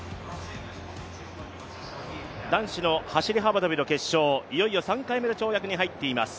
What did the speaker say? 男子の走幅跳の決勝、いよいよ３回目の跳躍に入っています。